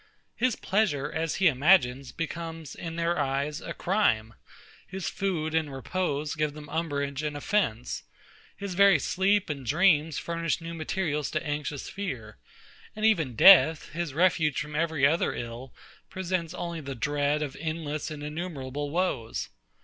His pleasure, as he imagines, becomes, in their eyes, a crime: his food and repose give them umbrage and offence: his very sleep and dreams furnish new materials to anxious fear: and even death, his refuge from every other ill, presents only the dread of endless and innumerable woes.